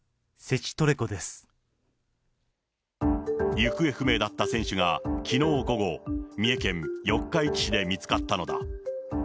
行方不明だった選手が、きのう午後、三重県四日市市で見つかったのだ。